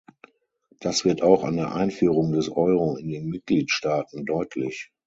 Das wird auch an der Einführung des Euro in den Mitgliedstaaten deutlich.